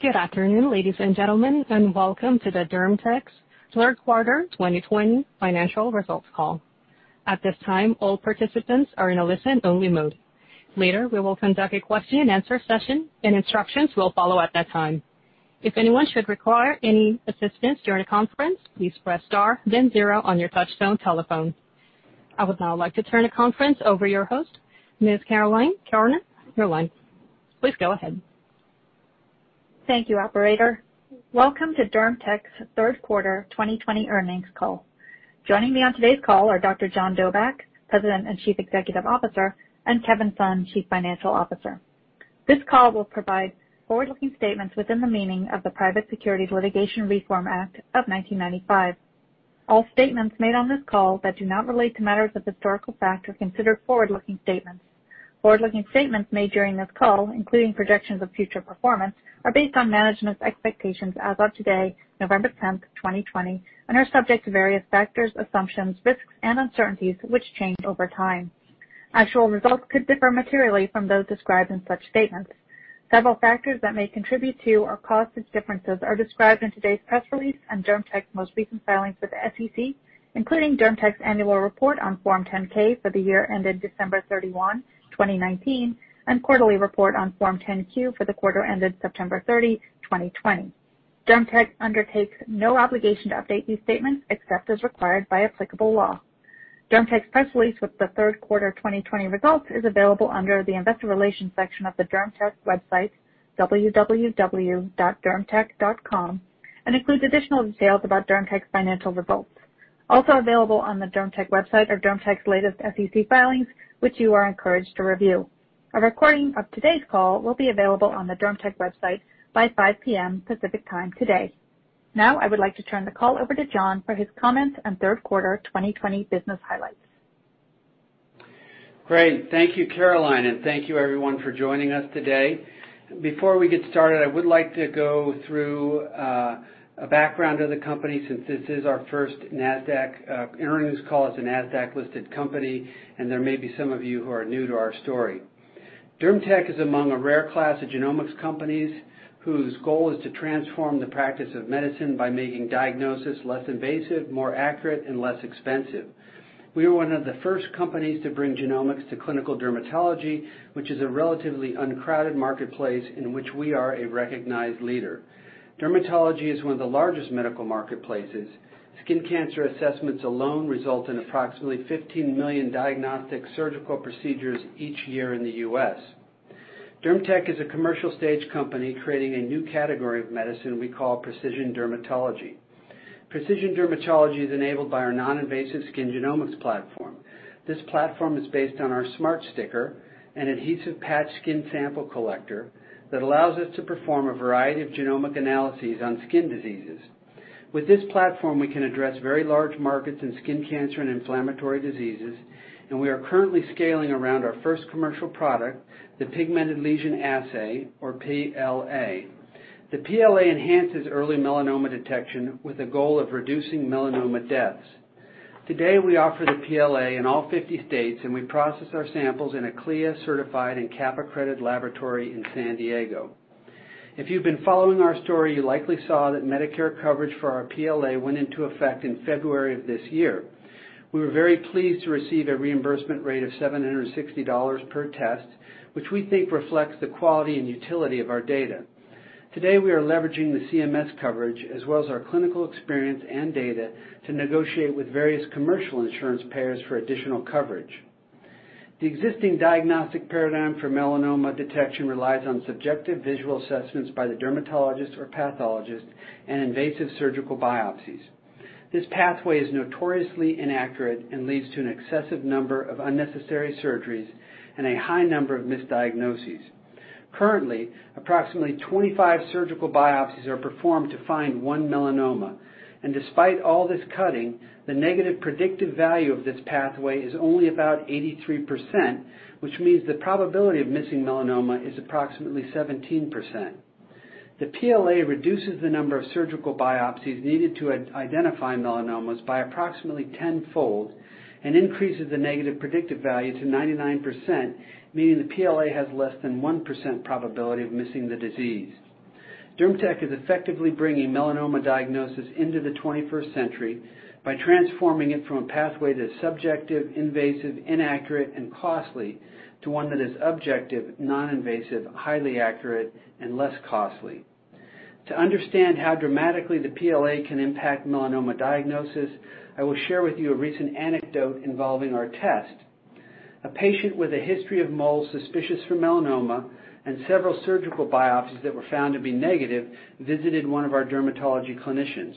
Good afternoon, ladies and gentlemen. Welcome to DermTech's third quarter 2020 financial results call. At this time, all participants are in a listen-only mode. Later, we will conduct a question and answer session. Instructions will follow at that time. If anyone should require any assistance during the conference, please press star then zero on your touchtone telephone. I would now like to turn the conference over to your host, Ms. Caroline Corner. Caroline, please go ahead. Thank you, operator. Welcome to DermTech's third quarter 2020 earnings call. Joining me on today's call are Dr. John Dobak, President and Chief Executive Officer, and Kevin Sun, Chief Financial Officer. This call will provide forward-looking statements within the meaning of the Private Securities Litigation Reform Act of 1995. All statements made on this call that do not relate to matters of historical fact are considered forward-looking statements. Forward-looking statements made during this call, including projections of future performance, are based on management's expectations as of today, November 10th, 2020, and are subject to various factors, assumptions, risks, and uncertainties which change over time. Actual results could differ materially from those described in such statements. Several factors that may contribute to or cause such differences are described in today's press release and DermTech's most recent filings with the SEC, including DermTech's annual report on Form 10-K for the year ended December 31, 2019, and quarterly report on Form 10-Q for the quarter ended September 30, 2020. DermTech undertakes no obligation to update these statements except as required by applicable law. DermTech's press release with the third quarter 2020 results is available under the investor relations section of the DermTech website, www.dermtech.com, and includes additional details about DermTech's financial results. Also available on the DermTech website are DermTech's latest SEC filings, which you are encouraged to review. A recording of today's call will be available on the DermTech website by 5:00 P.M. Pacific Time today. Now, I would like to turn the call over to John for his comments on third quarter 2020 business highlights. Great. Thank you, Caroline, and thank you everyone for joining us today. Before we get started, I would like to go through a background of the company since this is our first Nasdaq earnings call as a Nasdaq-listed company. There may be some of you who are new to our story. DermTech is among a rare class of genomics companies whose goal is to transform the practice of medicine by making diagnosis less invasive, more accurate, and less expensive. We were one of the first companies to bring genomics to clinical dermatology, which is a relatively uncrowded marketplace in which we are a recognized leader. Dermatology is one of the largest medical marketplaces. Skin cancer assessments alone result in approximately 15 million diagnostic surgical procedures each year in the U.S. DermTech is a commercial stage company creating a new category of medicine we call precision dermatology. Precision dermatology is enabled by our non-invasive skin genomics platform. This platform is based on our smart sticker, an adhesive patch skin sample collector that allows us to perform a variety of genomic analyses on skin diseases. With this platform, we can address very large markets in skin cancer and inflammatory diseases, and we are currently scaling around our first commercial product, the Pigmented Lesion Assay, or PLA. The PLA enhances early melanoma detection with the goal of reducing melanoma deaths. Today, we offer the PLA in all 50 states, and we process our samples in a CLIA-certified and CAP-accredited laboratory in San Diego. If you've been following our story, you likely saw that Medicare coverage for our PLA went into effect in February of this year. We were very pleased to receive a reimbursement rate of $760 per test, which we think reflects the quality and utility of our data. Today, we are leveraging the CMS coverage as well as our clinical experience and data to negotiate with various commercial insurance payers for additional coverage. The existing diagnostic paradigm for melanoma detection relies on subjective visual assessments by the dermatologist or pathologist and invasive surgical biopsies. This pathway is notoriously inaccurate and leads to an excessive number of unnecessary surgeries and a high number of misdiagnoses. Currently, approximately 25 surgical biopsies are performed to find one melanoma, and despite all this cutting, the negative predictive value of this pathway is only about 83%, which means the probability of missing melanoma is approximately 17%. The PLA reduces the number of surgical biopsies needed to identify melanomas by approximately tenfold and increases the negative predictive value to 99%, meaning the PLA has less than 1% probability of missing the disease. DermTech is effectively bringing melanoma diagnosis into the 21st century by transforming it from a pathway that's subjective, invasive, inaccurate, and costly to one that is objective, non-invasive, highly accurate, and less costly. To understand how dramatically the PLA can impact melanoma diagnosis, I will share with you a recent anecdote involving our test. A patient with a history of moles suspicious for melanoma and several surgical biopsies that were found to be negative visited one of our dermatology clinicians.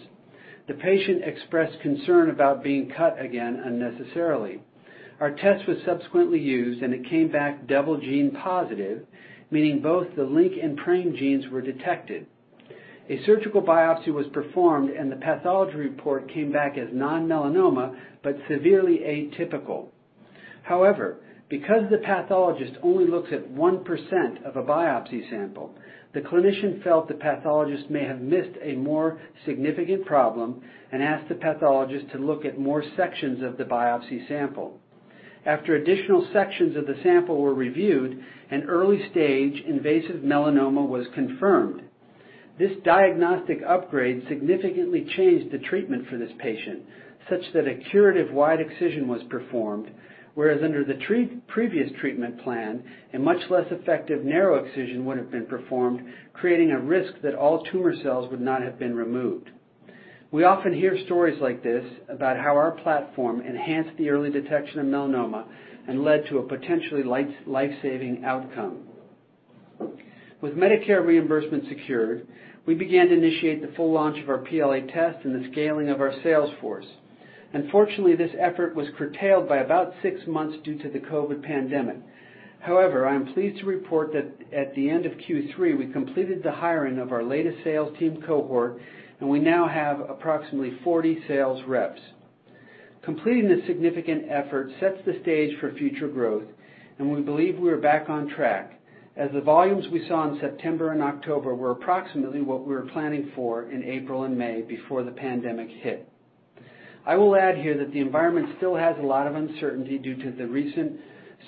The patient expressed concern about being cut again unnecessarily. Our test was subsequently used, and it came back double gene positive, meaning both the LINC and PRAME genes were detected. A surgical biopsy was performed, and the pathology report came back as nonmelanoma, but severely atypical. However, because the pathologist only looks at 1% of a biopsy sample, the clinician felt the pathologist may have missed a more significant problem and asked the pathologist to look at more sections of the biopsy sample. After additional sections of the sample were reviewed, an early-stage invasive melanoma was confirmed. This diagnostic upgrade significantly changed the treatment for this patient, such that a curative wide excision was performed, whereas under the previous treatment plan, a much less effective narrow excision would have been performed, creating a risk that all tumor cells would not have been removed. We often hear stories like this about how our platform enhanced the early detection of melanoma and led to a potentially life-saving outcome. With Medicare reimbursement secured, we began to initiate the full launch of our PLA test and the scaling of our sales force. Unfortunately, this effort was curtailed by about six months due to the COVID pandemic. However, I am pleased to report that at the end of Q3, we completed the hiring of our latest sales team cohort, and we now have approximately 40 sales reps. Completing this significant effort sets the stage for future growth, and we believe we are back on track, as the volumes we saw in September and October were approximately what we were planning for in April and May before the pandemic hit. I will add here that the environment still has a lot of uncertainty due to the recent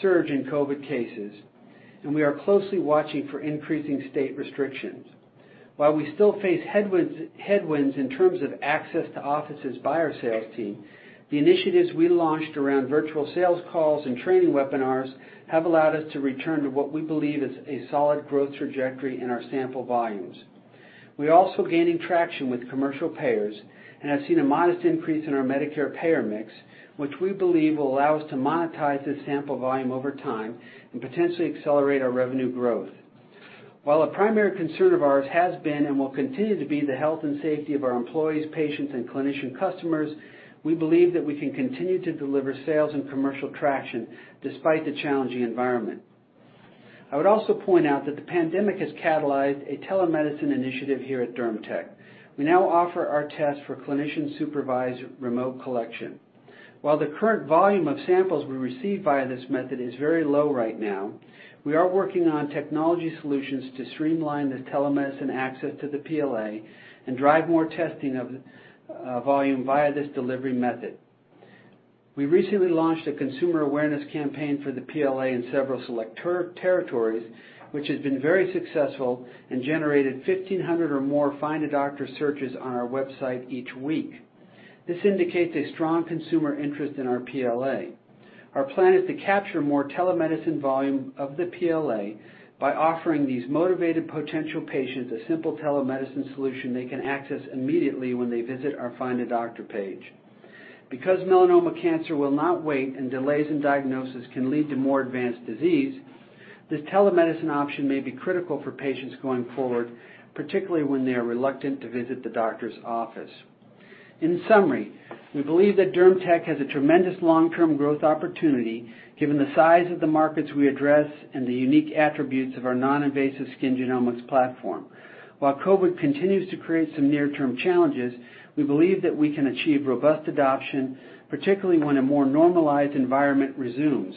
surge in COVID cases, and we are closely watching for increasing state restrictions. While we still face headwinds in terms of access to offices by our sales team, the initiatives we launched around virtual sales calls and training webinars have allowed us to return to what we believe is a solid growth trajectory in our sample volumes. We're also gaining traction with commercial payers and have seen a modest increase in our Medicare payer mix, which we believe will allow us to monetize this sample volume over time and potentially accelerate our revenue growth. While a primary concern of ours has been and will continue to be the health and safety of our employees, patients, and clinician customers, we believe that we can continue to deliver sales and commercial traction despite the challenging environment. I would also point out that the pandemic has catalyzed a telemedicine initiative here at DermTech. We now offer our test for clinician-supervised remote collection. While the current volume of samples we receive via this method is very low right now, we are working on technology solutions to streamline the telemedicine access to the PLA and drive more testing of volume via this delivery method. We recently launched a consumer awareness campaign for the PLA in several select territories, which has been very successful and generated 1,500 or more Find a Doctor searches on our website each week. This indicates a strong consumer interest in our PLA. Our plan is to capture more telemedicine volume of the PLA by offering these motivated potential patients a simple telemedicine solution they can access immediately when they visit our Find a Doctor page. Because melanoma cancer will not wait, and delays in diagnosis can lead to more advanced disease, this telemedicine option may be critical for patients going forward, particularly when they are reluctant to visit the doctor's office. In summary, we believe that DermTech has a tremendous long-term growth opportunity given the size of the markets we address and the unique attributes of our non-invasive skin genomics platform. While COVID continues to create some near-term challenges, we believe that we can achieve robust adoption, particularly when a more normalized environment resumes.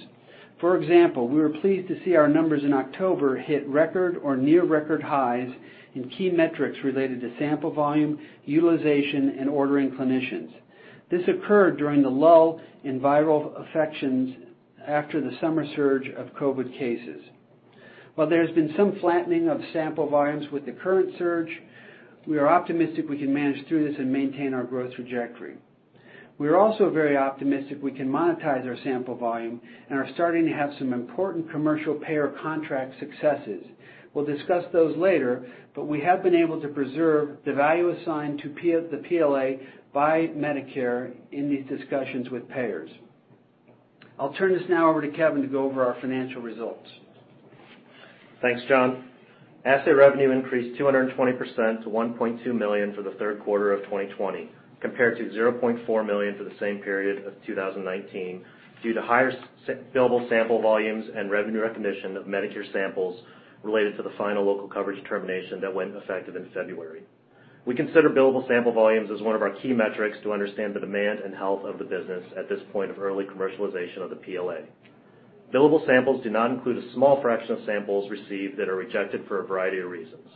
For example, we were pleased to see our numbers in October hit record or near record highs in key metrics related to sample volume, utilization, and ordering clinicians. This occurred during the lull in viral infections after the summer surge of COVID cases. While there has been some flattening of sample volumes with the current surge, we are optimistic we can manage through this and maintain our growth trajectory. We are also very optimistic we can monetize our sample volume and are starting to have some important commercial payer contract successes. We'll discuss those later, but we have been able to preserve the value assigned to the PLA by Medicare in these discussions with payers. I'll turn this now over to Kevin to go over our financial results. Thanks, John. Assay rEvenue increased 220% to $1.2 million for the third quarter of 2020 compared to $0.4 million for the same period of 2019 due to higher billable sample volumes and revenue recognition of Medicare samples related to the final Local Coverage Determination that went effective in February. We consider billable sample volumes as one of our key metrics to understand the demand and health of the business at this point of early commercialization of the PLA. Billable samples do not include a small fraction of samples received that are rejected for a variety of reasons.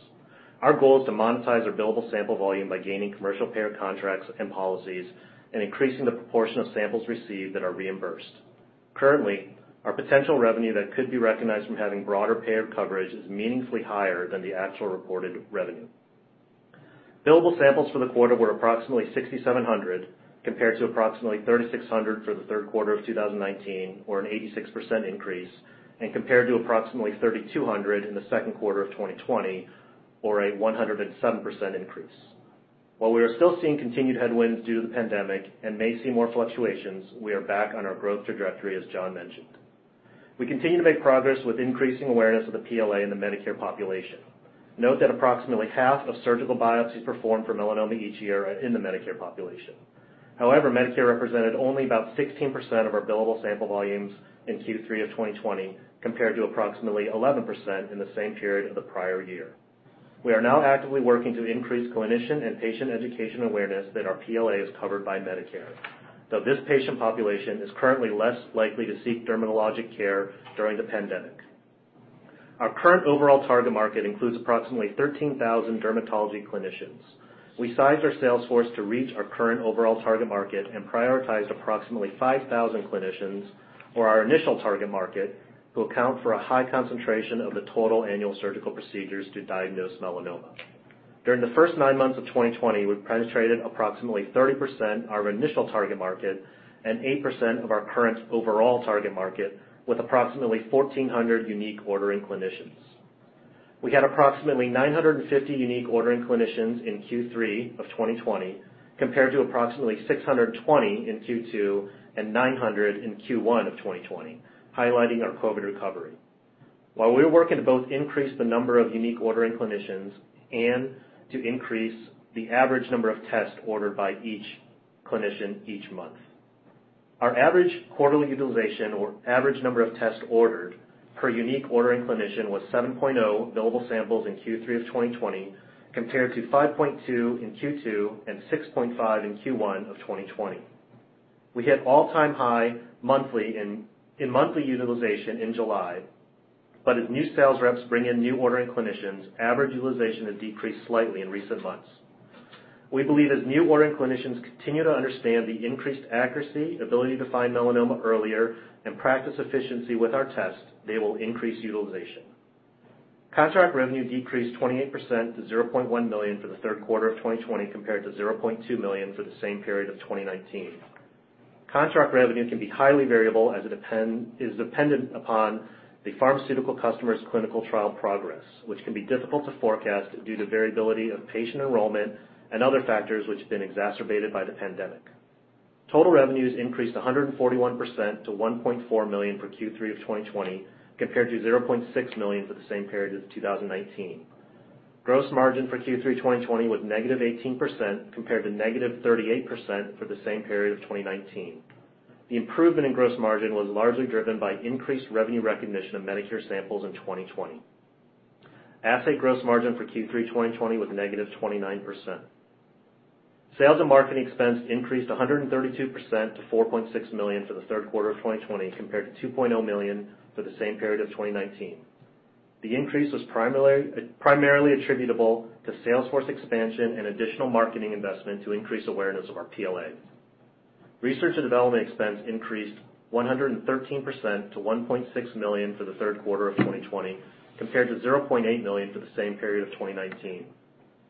Our goal is to monetize our billable sample volume by gaining commercial payer contracts and policies and increasing the proportion of samples received that are reimbursed. Currently, our potential revenue that could be recognized from having broader payer coverage is meaningfully higher than the actual reported revenue. Billable samples for the quarter were approximately 6,700, compared to approximately 3,600 for the third quarter of 2019, or an 86% increase, and compared to approximately 3,200 in the second quarter of 2020, or a 107% increase. While we are still seeing continued headwinds due to the pandemic and may see more fluctuations, we are back on our growth trajectory, as John mentioned. We continue to make progress with increasing awareness of the PLA in the Medicare population. Note that approximately half of surgical biopsies performed for melanoma each year are in the Medicare population. However, Medicare represented only about 16% of our billable sample volumes in Q3 of 2020, compared to approximately 11% in the same period of the prior year. We are now actively working to increase clinician and patient education awareness that our PLA is covered by Medicare, though this patient population is currently less likely to seek dermatologic care during the pandemic. Our current overall target market includes approximately 13,000 dermatology clinicians. We sized our sales force to reach our current overall target market and prioritized approximately 5,000 clinicians for our initial target market, who account for a high concentration of the total annual surgical procedures to diagnose melanoma. During the first nine months of 2020, we've penetrated approximately 30% of our initial target market and 8% of our current overall target market, with approximately 1,400 unique ordering clinicians. We had approximately 950 unique ordering clinicians in Q3 of 2020, compared to approximately 620 in Q2 and 900 in Q1 of 2020, highlighting our COVID recovery. While we are working to both increase the number of unique ordering clinicians and to increase the average number of tests ordered by each clinician each month. Our average quarterly utilization or average number of tests ordered per unique ordering clinician was 7.0 billable samples in Q3 of 2020, compared to 5.2 in Q2 and 6.5 in Q1 of 2020. We hit all-time high in monthly utilization in July, but as new sales reps bring in new ordering clinicians, average utilization has decreased slightly in recent months. We believe as new ordering clinicians continue to understand the increased accuracy, ability to find melanoma earlier, and practice efficiency with our tests, they will increase utilization. Contract revenue decreased 28% to $0.1 million for the third quarter of 2020, compared to $0.2 million for the same period of 2019. Contract revenue can be highly variable as it is dependent upon the pharmaceutical customer's clinical trial progress, which can be difficult to forecast due to variability of patient enrollment and other factors which have been exacerbated by the pandemic. Total revenues increased 141% to $1.4 million for Q3 of 2020, compared to $0.6 million for the same period of 2019. Gross margin for Q3 2020 was -18%, compared to -38% for the same period of 2019. The improvement in gross margin was largely driven by increased revenue recognition of Medicare samples in 2020. Assay gross margin for Q3 2020 was -29%. Sales and marketing expense increased 132% to $4.6 million for the third quarter of 2020, compared to $2.0 million for the same period of 2019. The increase was primarily attributable to sales force expansion and additional marketing investment to increase awareness of our PLA. Research and development expense increased 113% to $1.6 million for the third quarter of 2020, compared to $0.8 million for the same period of 2019.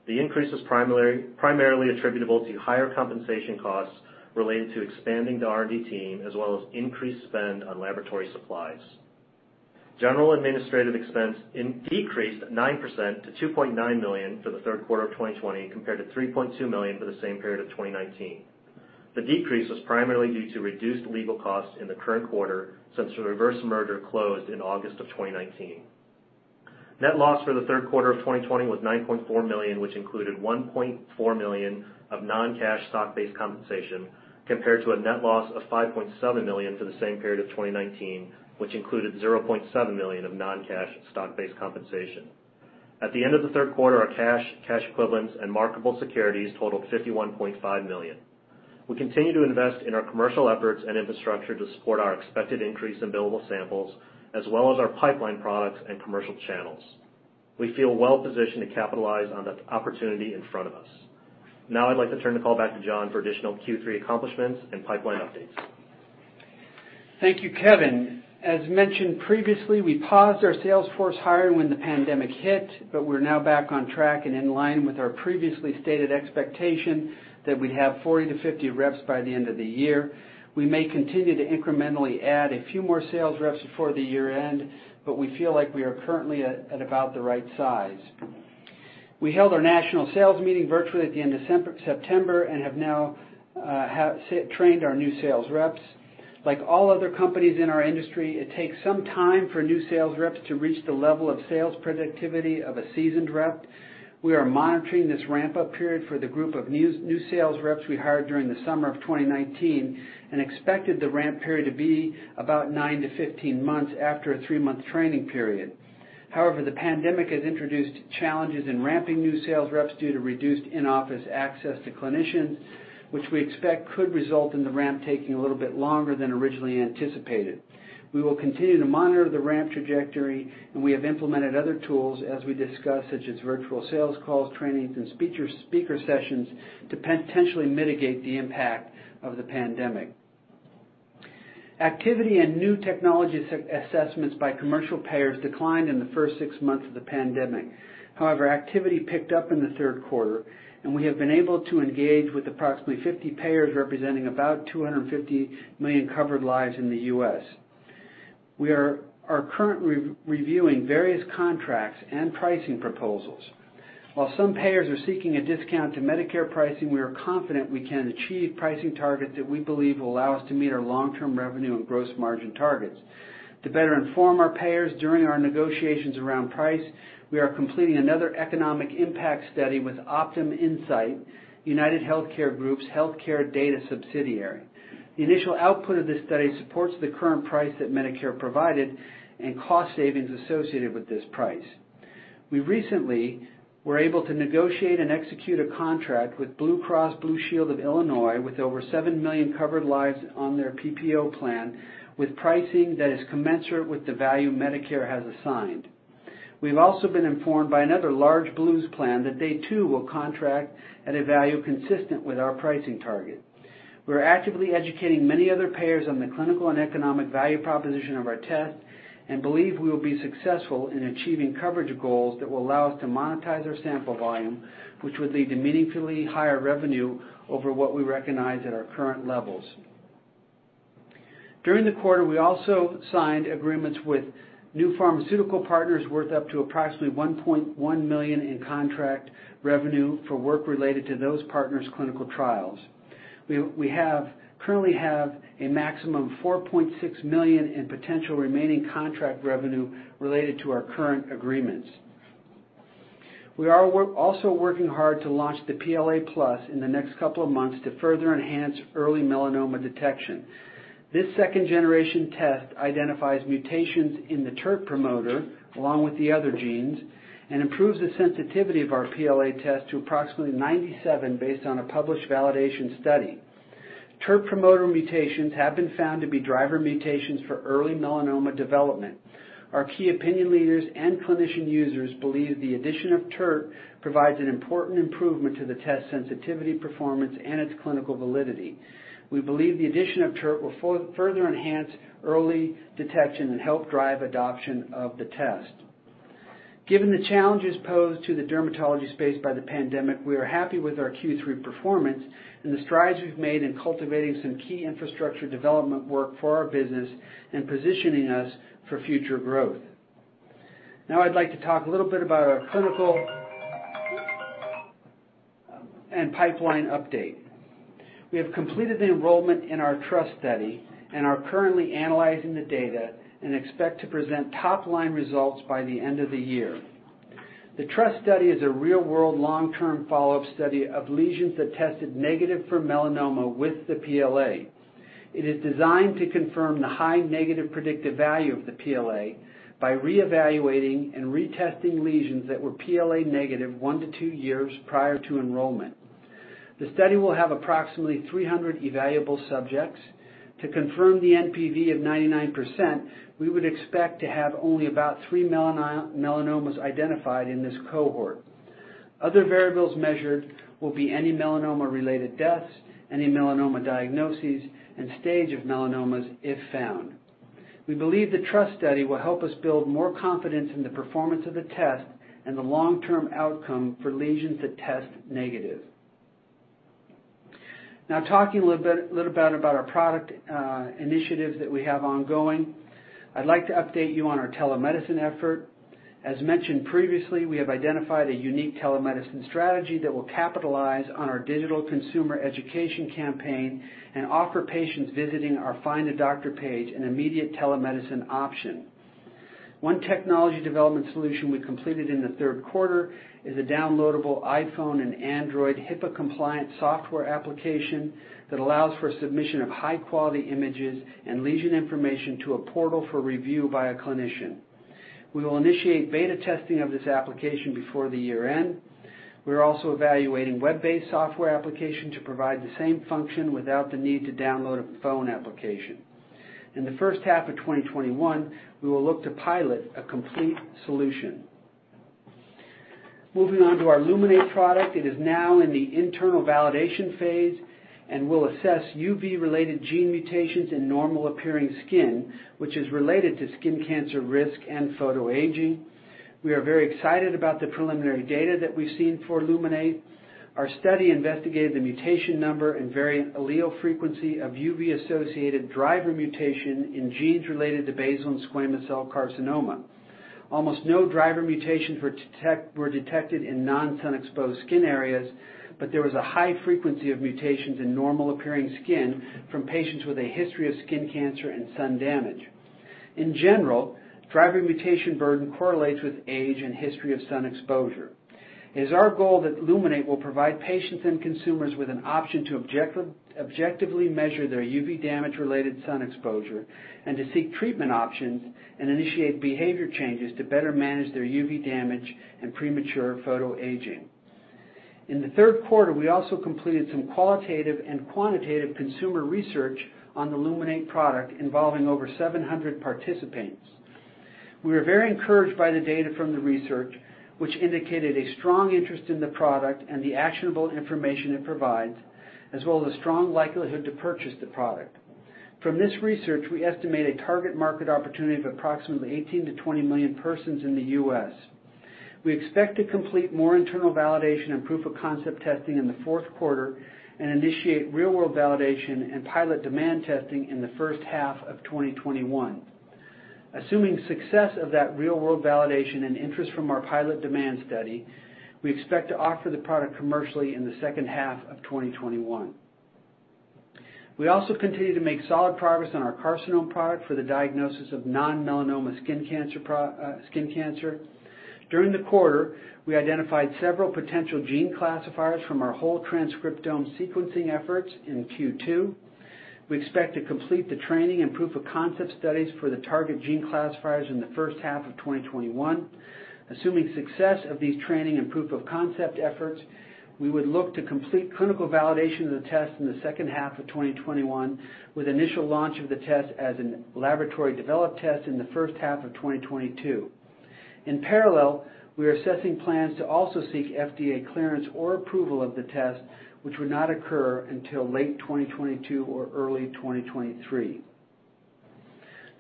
The increase was primarily attributable to higher compensation costs related to expanding the R&D team, as well as increased spend on laboratory supplies. General administrative expense decreased 9% to $2.9 million for the third quarter of 2020, compared to $3.2 million for the same period of 2019. The decrease was primarily due to reduced legal costs in the current quarter since the reverse merger closed in August of 2019. Net loss for the third quarter of 2020 was $9.4 million, which included $1.4 million of non-cash stock-based compensation, compared to a net loss of $5.7 million for the same period of 2019, which included $0.7 million of non-cash stock-based compensation. At the end of the third quarter, our cash equivalents, and marketable securities totaled $51.5 million. We continue to invest in our commercial efforts and infrastructure to support our expected increase in billable samples, as well as our pipeline products and commercial channels. We feel well-positioned to capitalize on the opportunity in front of us. Now I'd like to turn the call back to John for additional Q3 accomplishments and pipeline updates. Thank you, Kevin. As mentioned previously, we paused our sales force hiring when the pandemic hit, but we're now back on track and in line with our previously stated expectation that we'd have 40-50 reps by the end of the year. We may continue to incrementally add a few more sales reps before the year-end, but we feel like we are currently at about the right size. We held our national sales meeting virtually at the end of September and have now trained our new sales reps. Like all other companies in our industry, it takes some time for new sales reps to reach the level of sales productivity of a seasoned rep. We are monitoring this ramp-up period for the group of new sales reps we hired during the summer of 2019 and expected the ramp period to be about 9-15 months after a three-month training period. The pandemic has introduced challenges in ramping new sales reps due to reduced in-office access to clinicians, which we expect could result in the ramp taking a little bit longer than originally anticipated. We will continue to monitor the ramp trajectory, and we have implemented other tools, as we discussed, such as virtual sales calls, trainings, and speaker sessions to potentially mitigate the impact of the pandemic. Activity and new technology assessments by commercial payers declined in the first six months of the pandemic. Activity picked up in the third quarter, and we have been able to engage with approximately 50 payers, representing about 250 million covered lives in the U.S. We are currently reviewing various contracts and pricing proposals. While some payers are seeking a discount to Medicare pricing, we are confident we can achieve pricing targets that we believe will allow us to meet our long-term revenue and gross margin targets. To better inform our payers during our negotiations around price, we are completing another economic impact study with OptumInsight, UnitedHealth Group's healthcare data subsidiary. The initial output of this study supports the current price that Medicare provided and cost savings associated with this price. We recently were able to negotiate and execute a contract with Blue Cross and Blue Shield of Illinois with over 7 million covered lives on their PPO plan, with pricing that is commensurate with the value Medicare has assigned. We've also been informed by another large Blues plan that they too will contract at a value consistent with our pricing target. We're actively educating many other payers on the clinical and economic value proposition of our test and believe we will be successful in achieving coverage goals that will allow us to monetize our sample volume, which would lead to meaningfully higher revenue over what we recognize at our current levels. During the quarter, we also signed agreements with new pharmaceutical partners worth up to approximately $1.1 million in contract revenue for work related to those partners' clinical trials. We currently have a maximum of $4.6 million in potential remaining contract revenue related to our current agreements. We are also working hard to launch the PLAplus in the next couple of months to further enhance early melanoma detection. This second-generation test identifies mutations in the TERT promoter along with the other genes and improves the sensitivity of our PLA test to approximately 97% based on a published validation study. TERT promoter mutations have been found to be driver mutations for early melanoma development. Our key opinion leaders and clinician users believe the addition of TERT provides an important improvement to the test sensitivity performance and its clinical validity. We believe the addition of TERT will further enhance early detection and help drive adoption of the test. Given the challenges posed to the dermatology space by the pandemic, we are happy with our Q3 performance and the strides we've made in cultivating some key infrastructure development work for our business and positioning us for future growth. Now I'd like to talk a little bit about our clinical and pipeline update. We have completed the enrollment in our TRUST study and are currently analyzing the data and expect to present top-line results by the end of the year. The TRUST study is a real-world long-term follow-up study of lesions that tested negative for melanoma with the PLA. It is designed to confirm the high negative predictive value of the PLA by reevaluating and retesting lesions that were PLA negative one to two years prior to enrollment. The study will have approximately 300 evaluable subjects. To confirm the NPV of 99%, we would expect to have only about three melanomas identified in this cohort. Other variables measured will be any melanoma-related deaths, any melanoma diagnoses, and stage of melanomas if found. We believe the TRUST study will help us build more confidence in the performance of the test and the long-term outcome for lesions that test negative. Now talking a little bit about our product initiatives that we have ongoing, I'd like to update you on our telemedicine effort. As mentioned previously, we have identified a unique telemedicine strategy that will capitalize on our digital consumer education campaign and offer patients visiting our Find a Doctor page an immediate telemedicine option. One technology development solution we completed in the third quarter is a downloadable iPhone and Android HIPAA-compliant software application that allows for submission of high-quality images and lesion information to a portal for review by a clinician. We will initiate beta testing of this application before the year-end. We're also evaluating web-based software application to provide the same function without the need to download a phone application. In the first half of 2021, we will look to pilot a complete solution. Moving on to our Luminate product. It is now in the internal validation phase and will assess UV-related gene mutations in normal-appearing skin, which is related to skin cancer risk and photoaging. We are very excited about the preliminary data that we've seen for Luminate. Our study investigated the mutation number and variant allele frequency of UV-associated driver mutation in genes related to basal and squamous cell carcinoma. Almost no driver mutations were detected in non-sun exposed skin areas, but there was a high frequency of mutations in normal-appearing skin from patients with a history of skin cancer and sun damage. In general, driver mutation burden correlates with age and history of sun exposure. It is our goal that Luminate will provide patients and consumers with an option to objectively measure their UV damage-related sun exposure and to seek treatment options and initiate behavior changes to better manage their UV damage and premature photoaging. In the third quarter, we also completed some qualitative and quantitative consumer research on the Luminate product involving over 700 participants. We were very encouraged by the data from the research, which indicated a strong interest in the product and the actionable information it provides, as well as a strong likelihood to purchase the product. From this research, we estimate a target market opportunity of approximately 18-20 million persons in the U.S. We expect to complete more internal validation and proof-of-concept testing in the fourth quarter and initiate real-world validation and pilot demand testing in the first half of 2021. Assuming success of that real-world validation and interest from our pilot demand study, we expect to offer the product commercially in the second half of 2021. We also continue to make solid progress on our carcinoma product for the diagnosis of non-melanoma skin cancer. During the quarter, we identified several potential gene classifiers from our whole transcriptome sequencing efforts in Q2. We expect to complete the training and proof of concept studies for the target gene classifiers in the first half of 2021. Assuming success of these training and proof of concept efforts, we would look to complete clinical validation of the test in the second half of 2021, with initial launch of the test as a laboratory developed test in the first half of 2022. In parallel, we are assessing plans to also seek FDA clearance or approval of the test, which would not occur until late 2022 or early 2023.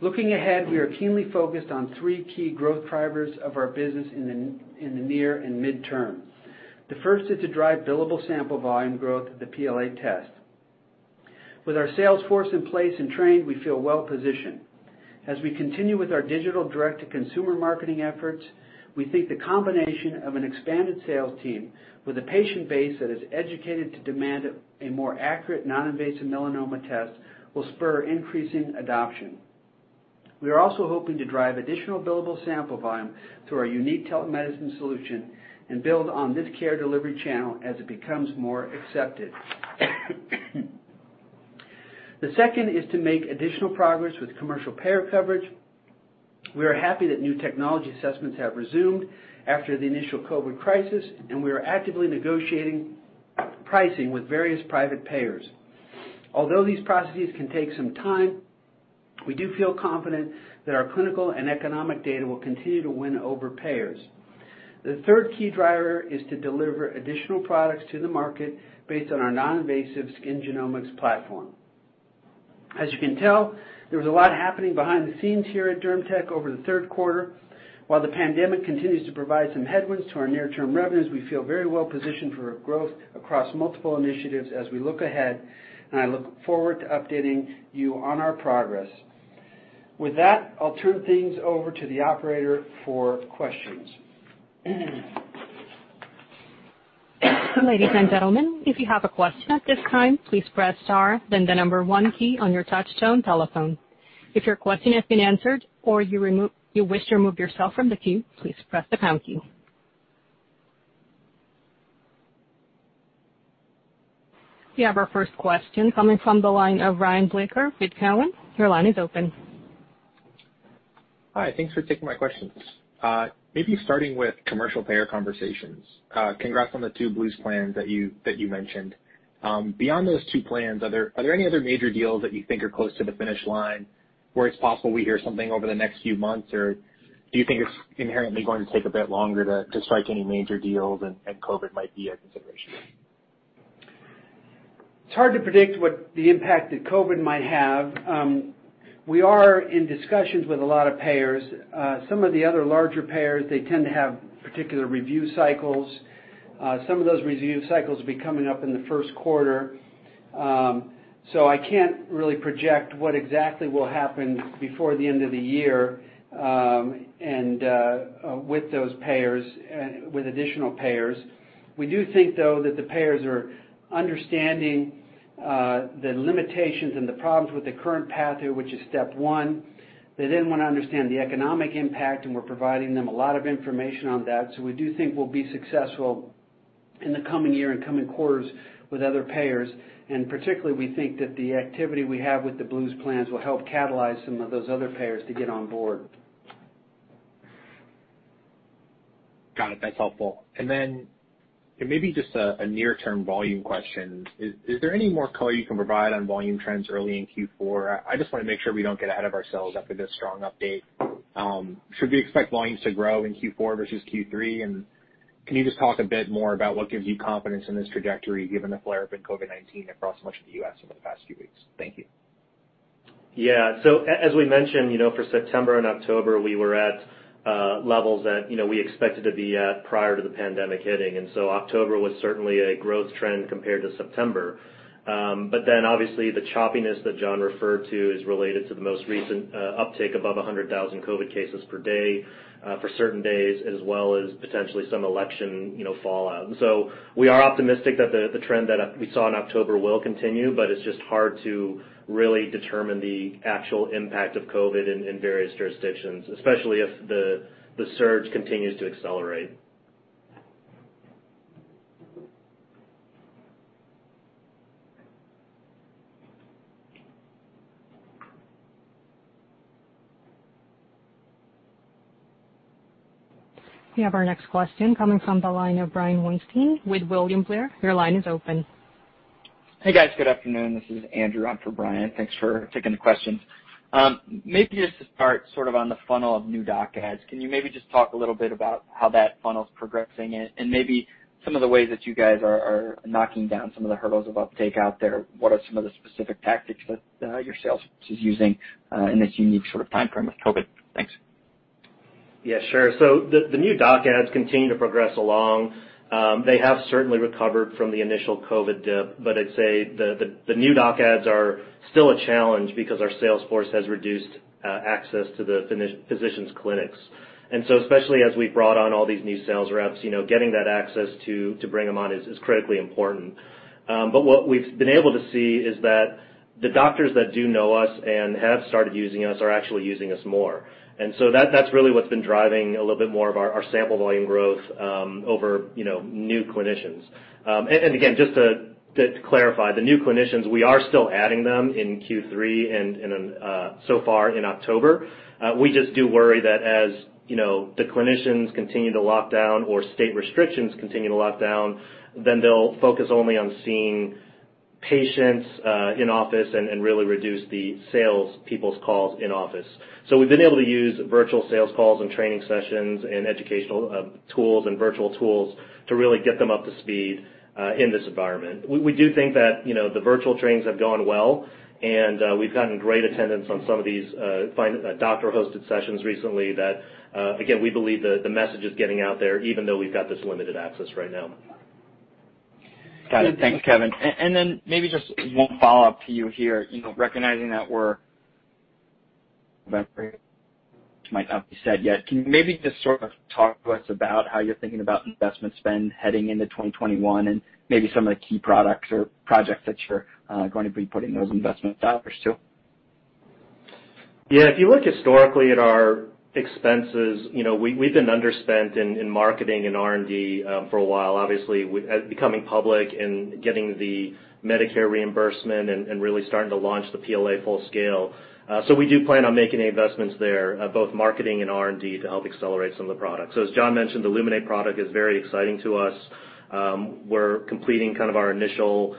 Looking ahead, we are keenly focused on three key growth drivers of our business in the near and mid-term. The first is to drive billable sample volume growth of the PLA test. With our sales force in place and trained, we feel well positioned. As we continue with our digital direct to consumer marketing efforts, we think the combination of an expanded sales team with a patient base that is educated to demand a more accurate, non-invasive melanoma test will spur increasing adoption. We are also hoping to drive additional billable sample volume through our unique telemedicine solution and build on this care delivery channel as it becomes more accepted. The second is to make additional progress with commercial payer coverage. We are happy that new technology assessments have resumed after the initial COVID crisis. We are actively negotiating pricing with various private payers. Although these processes can take some time, we do feel confident that our clinical and economic data will continue to win over payers. The third key driver is to deliver additional products to the market based on our non-invasive skin genomics platform. As you can tell, there was a lot happening behind the scenes here at DermTech over the third quarter. While the pandemic continues to provide some headwinds to our near-term revenues, we feel very well positioned for growth across multiple initiatives as we look ahead, and I look forward to updating you on our progress. With that, I'll turn things over to the operator for questions. Ladies and gentlemen, if you have a question at this time, please press star then the number one key on your touch-tone telephone. If your question has been answered or you remove you wish to remove yourself from the queue, please press the pound key. We have our first question coming from the line of Ryan Blicker with Cowen. Hi, thanks for taking my questions. Maybe starting with commercial payer conversations. Congrats on the two Blues plans that you mentioned. Beyond those two plans, are there any other major deals that you think are close to the finish line where it's possible we hear something over the next few months, or do you think it's inherently going to take a bit longer to strike any major deals, and COVID might be a consideration? It's hard to predict what the impact that COVID might have. We are in discussions with a lot of payers. Some of the other larger payers, they tend to have particular review cycles. Some of those review cycles will be coming up in the first quarter. I can't really project what exactly will happen before the end of the year with those payers and with additional payers. We do think, though, that the payers are understanding the limitations and the problems with the current pathway, which is step one. They then want to understand the economic impact, and we're providing them a lot of information on that. We do think we'll be successful in the coming year and coming quarters with other payers. Particularly, we think that the activity we have with the Blues plans will help catalyze some of those other payers to get on board. Got it. That's helpful. Then maybe just a near term volume question. I just want to make sure we don't get ahead of ourselves after this strong update. Should we expect volumes to grow in Q4 versus Q3? Can you just talk a bit more about what gives you confidence in this trajectory, given the flare-up in COVID-19 across much of the U.S. over the past few weeks? Thank you. Yeah. As we mentioned, for September and October, we were at levels that we expected to be at prior to the pandemic hitting. October was certainly a growth trend compared to September. Obviously the choppiness that John referred to is related to the most recent uptick above 100,000 COVID cases per day for certain days, as well as potentially some election fallout. We are optimistic that the trend that we saw in October will continue, but it's just hard to really determine the actual impact of COVID in various jurisdictions, especially if the surge continues to accelerate. We have our next question coming from the line of Brian Weinstein with William Blair. Your line is open. Hey, guys. Good afternoon. This is Andrew on for Brian. Thanks for taking the questions. Maybe just to start on the funnel of new doc adds. Can you maybe just talk a little bit about how that funnel's progressing and maybe some of the ways that you guys are knocking down some of the hurdles of uptake out there? What are some of the specific tactics that your sales force is using in this unique timeframe of COVID? Thanks. Yeah, sure. The new doc adds continue to progress along. They have certainly recovered from the initial COVID dip, I'd say the new doc adds are still a challenge because our sales force has reduced access to the physicians' clinics. Especially as we've brought on all these new sales reps, getting that access to bring them on is critically important. What we've been able to see is that the doctors that do know us and have started using us are actually using us more. That's really what's been driving a little bit more of our sample volume growth over new clinicians. Again, just to clarify, the new clinicians, we are still adding them in Q3 and so far in October. We just do worry that as the clinicians continue to lock down or state restrictions continue to lock down, then they'll focus only on seeing patients in office and really reduce the sales people's calls in office. We've been able to use virtual sales calls and training sessions and educational tools and virtual tools to really get them up to speed in this environment. We do think that the virtual trainings have gone well, and we've gotten great attendance on some of these doctor-hosted sessions recently that, again, we believe the message is getting out there, even though we've got this limited access right now. Got it. Thanks, Kevin. Maybe just one follow-up to you here, recognizing that we're might not be set yet. Can you maybe just sort of talk to us about how you're thinking about investment spend heading into 2021 and maybe some of the key products or projects that you're going to be putting those investment dollars to? Yeah. If you look historically at our expenses, we've been underspent in marketing and R&D for a while, obviously, becoming public and getting the Medicare reimbursement and really starting to launch the PLA full scale. We do plan on making the investments there, both marketing and R&D, to help accelerate some of the products. As John mentioned, the Luminate product is very exciting to us. We're completing our initial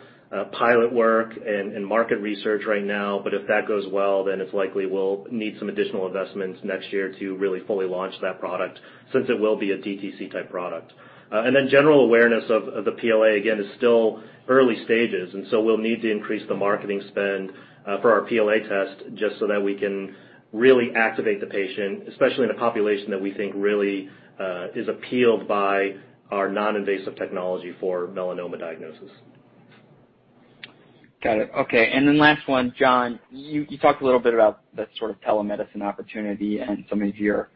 pilot work and market research right now, but if that goes well, then it's likely we'll need some additional investments next year to really fully launch that product, since it will be a DTC-type product. General awareness of the PLA, again, is still early stages, and so we'll need to increase the marketing spend for our PLA test just so that we can really activate the patient, especially in a population that we think really is appealed by our non-invasive technology for melanoma diagnosis. Got it. Okay, Last one, John, you talked a little bit about the sort of telemedicine opportunity and some of your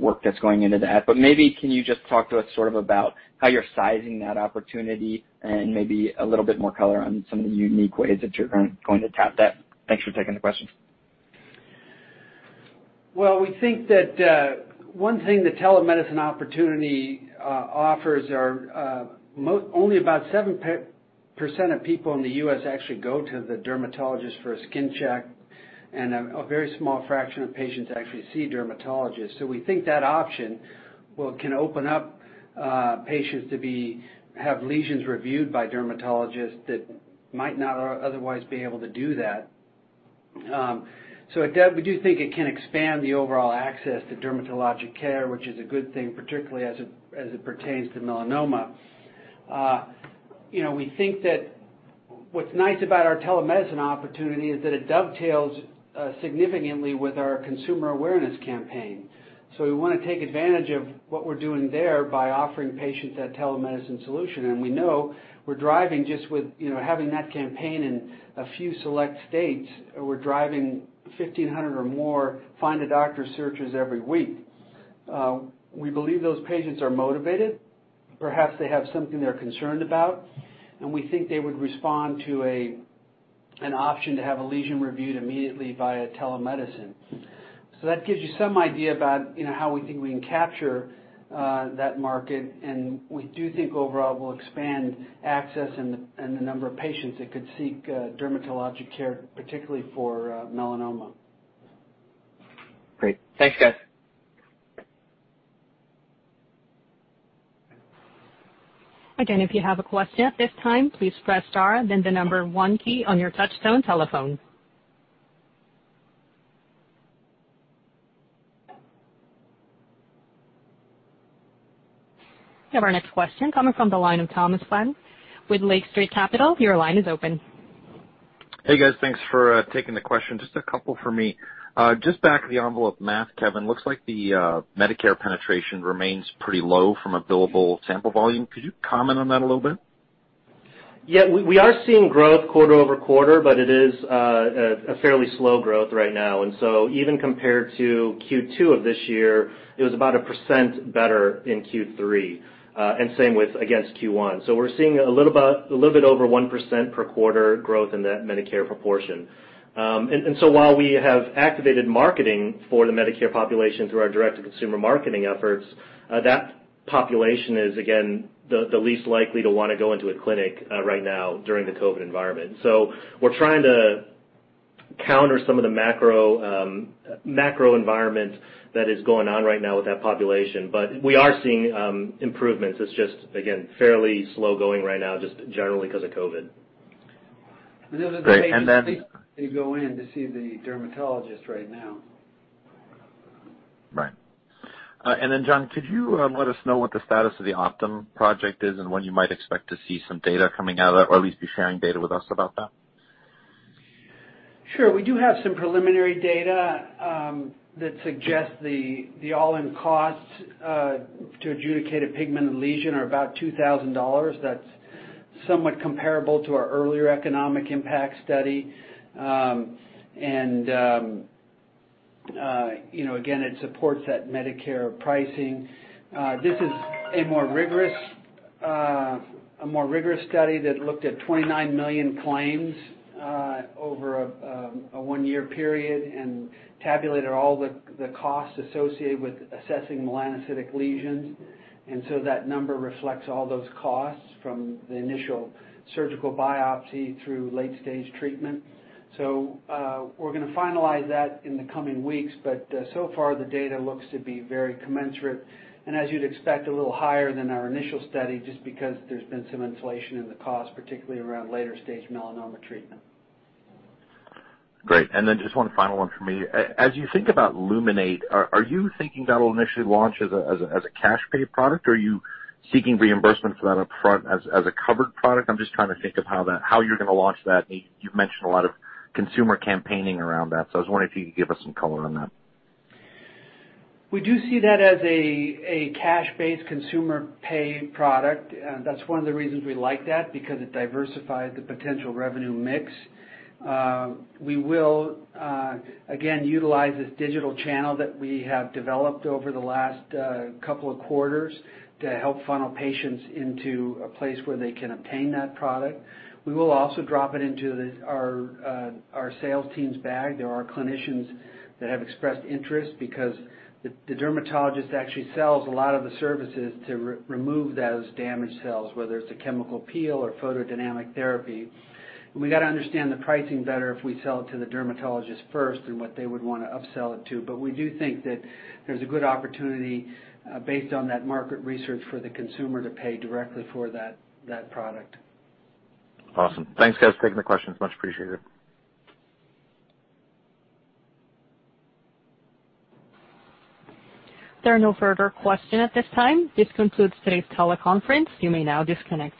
work that's going into that, but maybe can you just talk to us sort of about how you're sizing that opportunity and maybe a little bit more color on some of the unique ways that you're going to tap that? Thanks for taking the question. We think that one thing the telemedicine opportunity offers are only about 7% of people in the U.S. actually go to the dermatologist for a skin check, and a very small fraction of patients actually see dermatologists. We think that option can open up patients to have lesions reviewed by dermatologists that might not otherwise be able to do that. We do think it can expand the overall access to dermatologic care, which is a good thing, particularly as it pertains to melanoma. We think that what's nice about our telemedicine opportunity is that it dovetails significantly with our consumer awareness campaign. We want to take advantage of what we're doing there by offering patients that telemedicine solution. We know we're driving just with having that campaign in a few select states, we're driving 1,500 or more find-a-doctor searches every week. We believe those patients are motivated. Perhaps they have something they're concerned about, and we think they would respond to an option to have a lesion reviewed immediately via telemedicine. That gives you some idea about how we think we can capture that market, and we do think overall we'll expand access and the number of patients that could seek dermatologic care, particularly for melanoma. Great. Thanks, guys. Again, if you have a question at this time, please press star then the number one key on your touchtone telephone. We have our next question coming from the line of Thomas Flaten with Lake Street Capital. Your line is open. Hey, guys. Thanks for taking the question. Just a couple for me. Just back of the envelope math, Kevin, looks like the Medicare penetration remains pretty low from a billable sample volume. Could you comment on that a little bit? Yeah. We are seeing growth quarter-over-quarter, but it is a fairly slow growth right now. Even compared to Q2 of this year, it was about 1% better in Q3, and same with against Q1. We're seeing a little bit over 1% per quarter growth in that Medicare proportion. While we have activated marketing for the Medicare population through our direct-to-consumer marketing efforts, that population is, again, the least likely to want to go into a clinic right now during the COVID environment. We're trying to counter some of the macro environment that is going on right now with that population, but we are seeing improvements. It's just, again, fairly slow going right now, just generally because of COVID. There's a big mistake. Great. To go in to see the dermatologist right now. Right. John, could you let us know what the status of the Optum project is and when you might expect to see some data coming out of that, or at least be sharing data with us about that? Sure. We do have some preliminary data that suggests the all-in costs to adjudicate a pigmented lesion are about $2,000. That's somewhat comparable to our earlier economic impact study. Again, it supports that Medicare pricing. This is a more rigorous study that looked at 29 million claims over a one-year period and tabulated all the costs associated with assessing melanocytic lesions. That number reflects all those costs from the initial surgical biopsy through late-stage treatment. We're going to finalize that in the coming weeks, but so far the data looks to be very commensurate. As you'd expect, a little higher than our initial study, just because there's been some inflation in the cost, particularly around later-stage melanoma treatment. Great. Then just one final one for me. As you think about Luminate, are you thinking that'll initially launch as a cash pay product, or are you seeking reimbursement for that up front as a covered product? I'm just trying to think of how you're going to launch that. You've mentioned a lot of consumer campaigning around that, so I was wondering if you could give us some color on that. We do see that as a cash-based consumer pay product. That's one of the reasons we like that, because it diversifies the potential revenue mix. We will, again, utilize this digital channel that we have developed over the last couple of quarters to help funnel patients into a place where they can obtain that product. We will also drop it into our sales team's bag. There are clinicians that have expressed interest because the dermatologist actually sells a lot of the services to remove those damaged cells, whether it's a chemical peel or photodynamic therapy. We got to understand the pricing better if we sell it to the dermatologist first and what they would want to upsell it to. We do think that there's a good opportunity based on that market research for the consumer to pay directly for that product. Awesome. Thanks, guys. Taking the questions, much appreciated. There are no further questions at this time. This concludes today's teleconference. You may now disconnect.